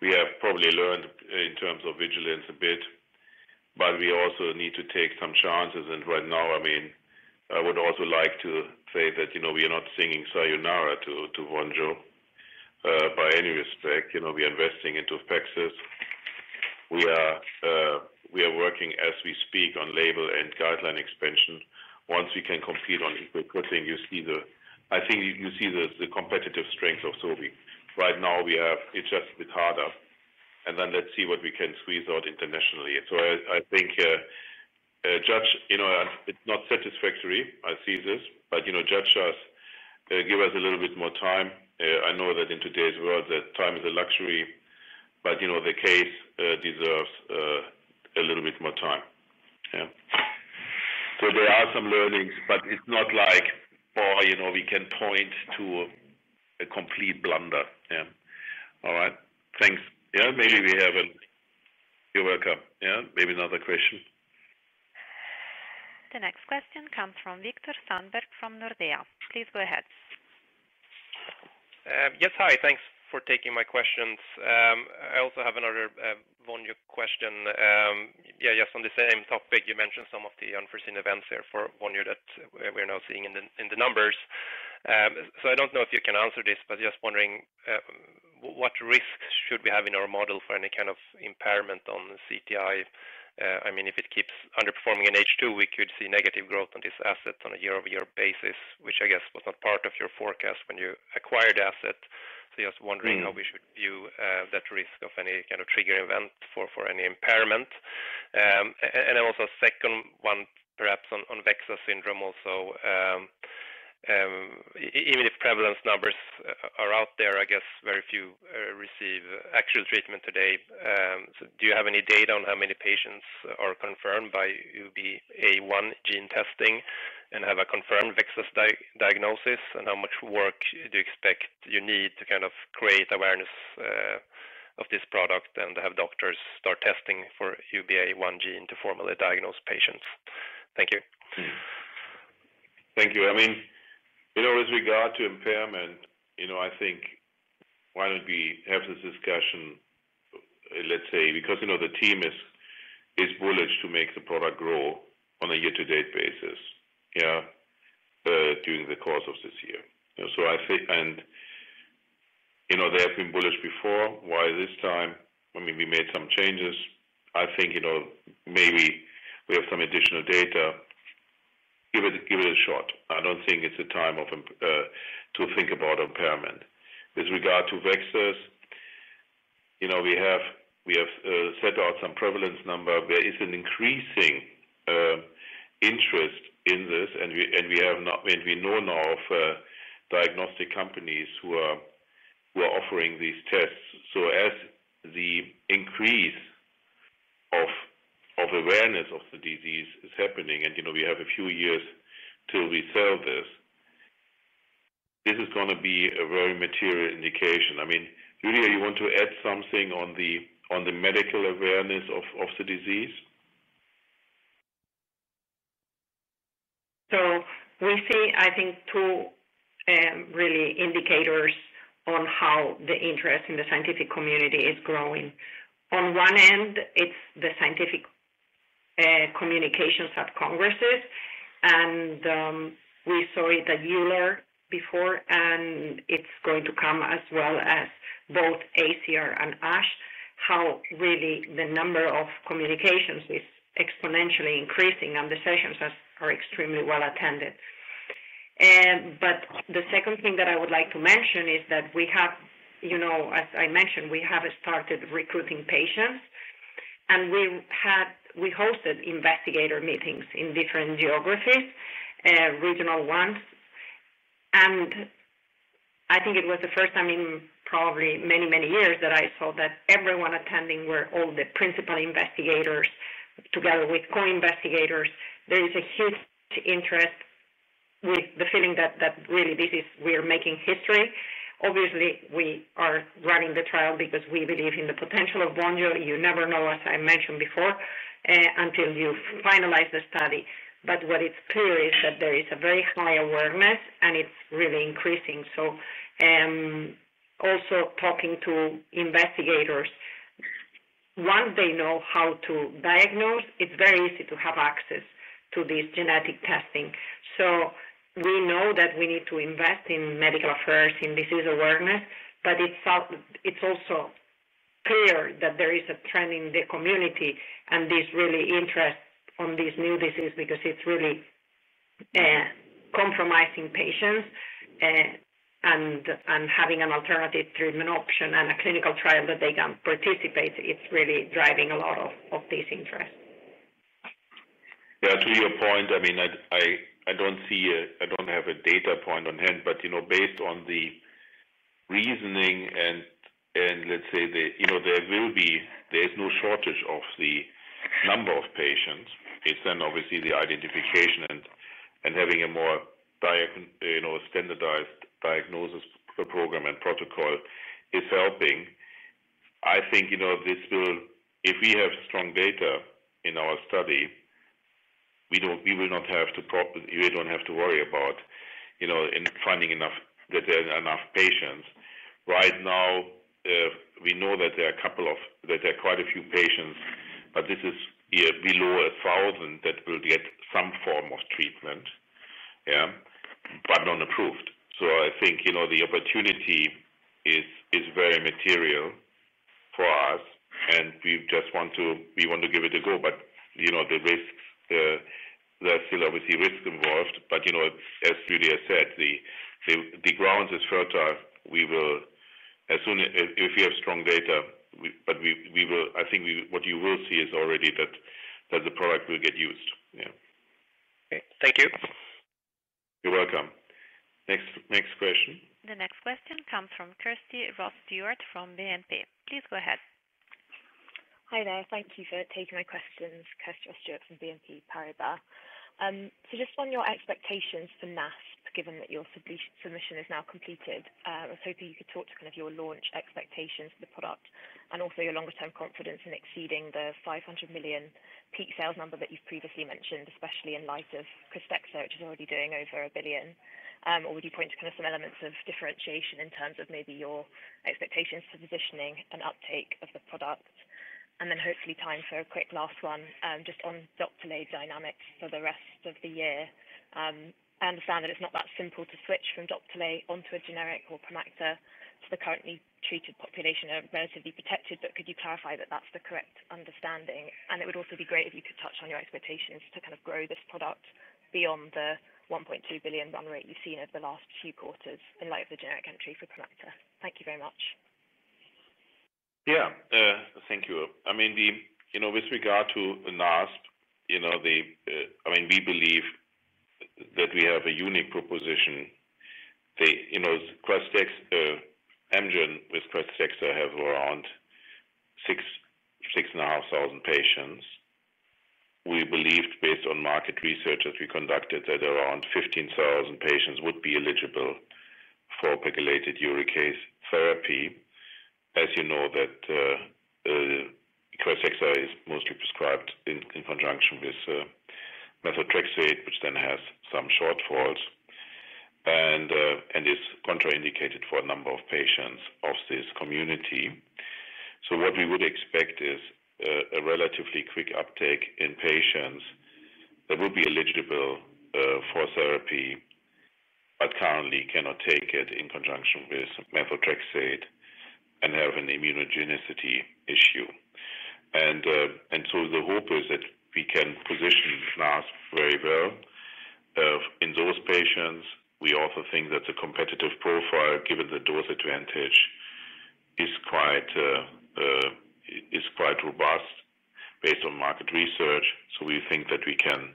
We have probably learned in terms of vigilance a bit, but we also need to take some chances. Right now, I mean, I would also like to say that we are not singing Sayonara to Vonjo by any respect. We are investing into PACS. We are working as we speak on label and guideline expansion. Once we can compete on equal footing, I think you see the competitive strength of Sobi. Right now, it's just a bit harder. Let's see what we can squeeze out internationally. I think, judge, it's not satisfactory. I see this. But judge us, give us a little bit more time. I know that in today's world, time is a luxury, but the case deserves a little bit more time. Yeah. There are some learnings, but it's not like, "Oh, we can point to a complete blunder." Yeah. All right. Thanks. Yeah. Maybe we have a— You're welcome. Yeah. Maybe another question. The next question comes from Viktor Sundberg from Nordea. Please go ahead. Yes. Hi. Thanks for taking my questions. I also have another Vonjo question. Yeah. Just on the same topic, you mentioned some of the unforeseen events here for Vonjo that we're now seeing in the numbers. I don't know if you can answer this, but just wondering. What risks should we have in our model for any kind of impairment on CTI? I mean, if it keeps underperforming in H2, we could see negative growth on this asset on a year-over-year basis, which I guess was not part of your forecast when you acquired the asset. Just wondering how we should view that risk of any kind of trigger event for any impairment. Also a second one, perhaps on VEXAS syndrome also. Even if prevalence numbers are out there, I guess very few receive actual treatment today. Do you have any data on how many patients are confirmed by UBA1 gene testing and have a confirmed VEXAS diagnosis? How much work do you expect you need to kind of create awareness of this product and have doctors start testing for UBA1 gene to formally diagnose patients? Thank you. Thank you. I mean, with regard to impairment, I think. Why don't we have this discussion. Let's say, because the team is bullish to make the product grow on a year-to-date basis, yeah, during the course of this year. They have been bullish before. Why this time? I mean, we made some changes. I think maybe we have some additional data. Give it a shot. I don't think it's a time to think about impairment. With regard to VEXAS. We have. Set out some prevalence number. There is an increasing interest in this, and we know now of diagnostic companies who are offering these tests. As the increase of awareness of the disease is happening, and we have a few years till we sell this, this is going to be a very material indication. I mean, Lydia, you want to add something on the medical awareness of the disease? We see, I think, two really indicators on how the interest in the scientific community is growing. On one end, it is the scientific communications at congresses. We saw it at EULAR before, and it is going to come as well at both ACR and ASH, how really the number of communications is exponentially increasing and the sessions are extremely well attended. The second thing that I would like to mention is that we have. As I mentioned, we have started recruiting patients, and we hosted investigator meetings in different geographies. Regional ones. I think it was the first time in probably many, many years that I saw that everyone attending were all the principal investigators together with co-investigators. There is a huge interest, with the feeling that really we are making history. Obviously, we are running the trial because we believe in the potential of Vonjo. You never know, as I mentioned before, until you finalize the study. What is clear is that there is a very high awareness, and it is really increasing. Also, talking to investigators, once they know how to diagnose, it is very easy to have access to this genetic testing. We know that we need to invest in medical affairs, in disease awareness, but it is also. Clear that there is a trend in the community and this really interest on this new disease because it's really compromising patients. And having an alternative treatment option and a clinical trial that they can participate, it's really driving a lot of this interest. Yeah. To your point, I mean, I don't see a I don't have a data point on hand, but based on the reasoning and let's say there will be there is no shortage of the number of patients. It's then obviously the identification and having a more standardized diagnosis program and protocol is helping. I think this will, if we have strong data in our study. We will not have to we don't have to worry about finding enough that there are enough patients. Right now. We know that there are quite a few patients, but this is below 1,000 that will get some form of treatment. Yeah, but not approved. I think the opportunity is very material for us, and we just want to give it a go. There is still obviously risk involved. As Lydia said, the ground is fertile. We will, as soon as if we have strong data, but I think what you will see is already that the product will get used. Yeah. Okay. Thank you. You're welcome. Next question. The next question comes from Kirsty Ross-Stewart from BNP. Please go ahead. Hi there. Thank you for taking my questions, Kirsty Ross-Stewart from BNP Paribas. Just on your expectations for NASP, given that your submission is now completed, I was hoping you could talk to kind of your launch expectations for the product and also your longer-term confidence in exceeding the $500 million peak sales number that you've previously mentioned, especially in light of Krystexxa, which is already doing over $1 billion. Would you point to kind of some elements of differentiation in terms of maybe your expectations for positioning and uptake of the product? Hopefully time for a quick last one just on Doptelet dynamics for the rest of the year. I understand that it's not that simple to switch from Doptelet onto a generic or Promacta to the currently treated population are relatively protected, but could you clarify that that's the correct understanding? It would also be great if you could touch on your expectations to kind of grow this product beyond the $1.2 billion run rate you've seen over the last few quarters in light of the generic entry for Promacta. Thank you very much. Yeah. Thank you. I mean, with regard to NASP, I mean, we believe that we have a unique proposition. Amgen with Krystexxa have around 6,000-6,500 patients. We believed based on market research that we conducted that around 15,000 patients would be eligible for pegylated uricase therapy. As you know, Krystexxa is mostly prescribed in conjunction with methotrexate, which then has some shortfalls and is contraindicated for a number of patients of this community. What we would expect is a relatively quick uptake in patients that would be eligible for therapy. Currently, cannot take it in conjunction with methotrexate and have an immunogenicity issue. The hope is that we can position NASP very well in those patients. We also think that the competitive profile, given the dose advantage, is quite robust based on market research. We think that we can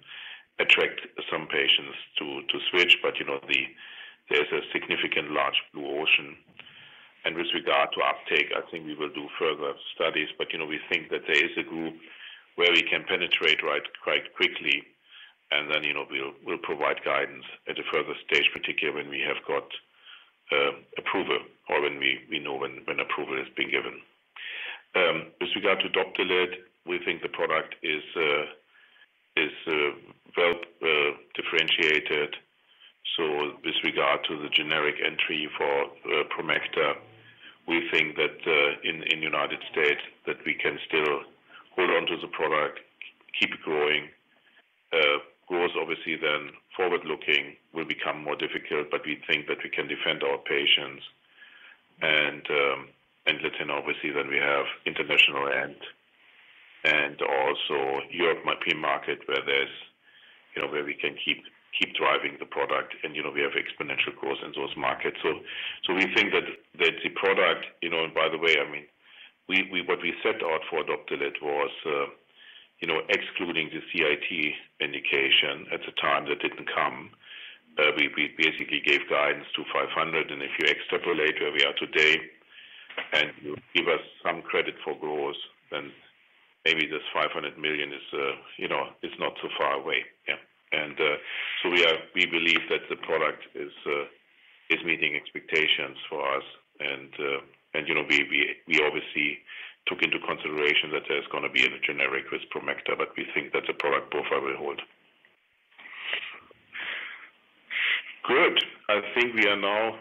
attract some patients to switch, but there is a significant large blue ocean. With regard to uptake, I think we will do further studies. We think that there is a group where we can penetrate quite quickly, and then we'll provide guidance at a further stage, particularly when we have got approval or when we know when approval has been given. With regard to Doptelet, we think the product is well differentiated. With regard to the generic entry for Promacta, we think that. In the U.S. that we can still hold on to the product, keep it growing. Growth, obviously, then forward-looking will become more difficult, but we think that we can defend our patients. Let's say, obviously, then we have international and also Europe might be a market where there's, where we can keep driving the product, and we have exponential growth in those markets. We think that the product, and by the way, I mean, what we set out for Doptelet was, excluding the CIT indication at the time that didn't come, we basically gave guidance to $500 million, and if you extrapolate where we are today and you give us some credit for growth, then maybe this $500 million is not so far away. Yeah. We believe that the product is meeting expectations for us. We obviously took into consideration that there's going to be a generic with Promacta, but we think that the product profile will hold. I think we are now.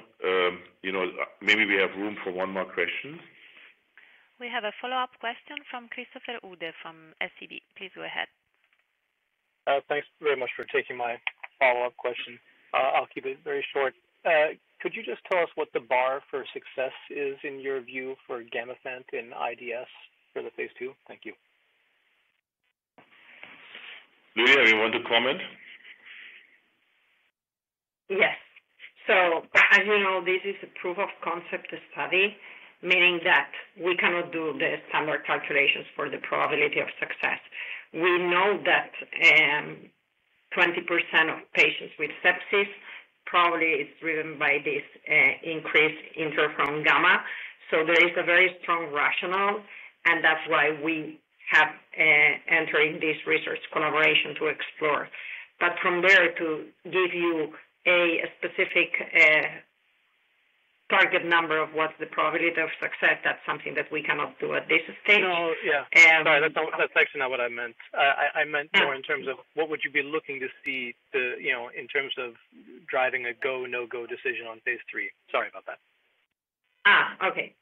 Maybe we have room for one more question. We have a follow-up question from Christopher Uhde from SEB. Please go ahead. Thanks very much for taking my follow-up question. I'll keep it very short. Could you just tell us what the bar for success is in your view for Gamifant and IDS for the phase two? Thank you. Lydia, do you want to comment? Yes. As you know, this is a proof of concept study, meaning that we cannot do the standard calculations for the probability of success. We know that 20% of patients with sepsis probably is driven by this increase in interferon gamma. There is a very strong rationale, and that's why we have. Entered in this research collaboration to explore. From there, to give you a specific target number of what's the probability of success, that's something that we cannot do at this stage. Oh, yeah. Sorry. That's actually not what I meant. I meant more in terms of what would you be looking to see in terms of driving a go, no-go decision on phase three. Sorry about that. Okay.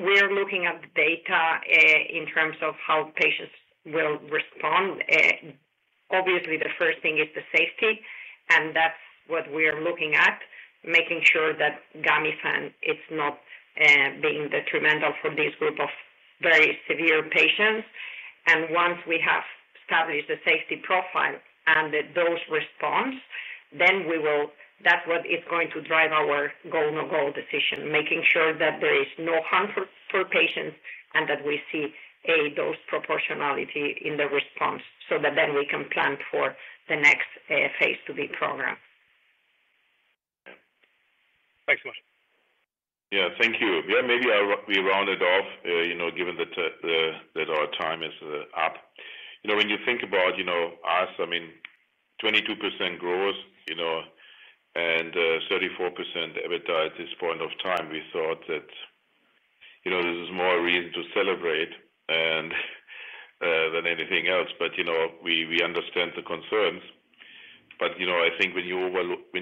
We're looking at the data in terms of how patients will respond. Obviously, the first thing is the safety, and that's what we are looking at, making sure that Gamifant is not being detrimental for this group of very severe patients. Once we have established the safety profile and the dose response, then we will, that's what is going to drive our go, no-go decision, making sure that there is no harm for patients and that we see a dose proportionality in the response so that then we can plan for the next phase two B program. Thanks so much. Yeah. Thank you. Yeah. Maybe I'll be rounded off given that our time is up. When you think about us, I mean, 22% growers and 34% EBITDA at this point of time, we thought that this is more a reason to celebrate than anything else. We understand the concerns. I think when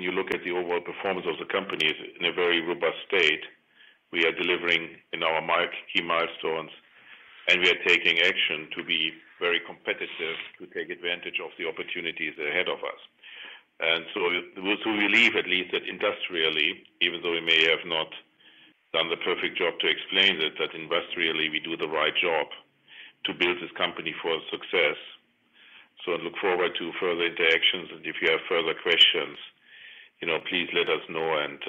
you look at the overall performance of the companies in a very robust state, we are delivering in our key milestones, and we are taking action to be very competitive to take advantage of the opportunities ahead of us. We believe, at least, that industrially, even though we may have not done the perfect job to explain it, that industrially, we do the right job to build this company for success. I look forward to further interactions. If you have further questions, please let us know, and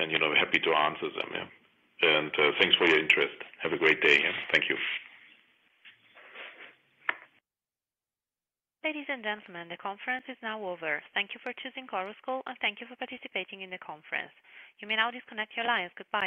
I'm happy to answer them. Yeah. Thanks for your interest. Have a great day. Yeah. Thank you. Ladies and gentlemen, the conference is now over. Thank you for choosing Chorus Call, and thank you for participating in the conference. You may now disconnect your lines. Goodbye.